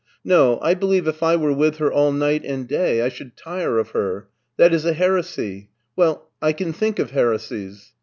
" No, I believe if I were with her all night and day I should tire of her. That is a heresy. Well, I can think of heresies."